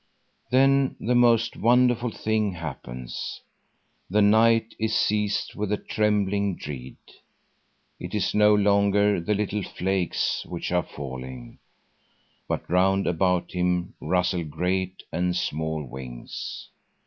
Then the most wonderful thing happens. The night is seized with a trembling dread. It is no longer the little flakes which are falling, but round about him rustle great and small wings.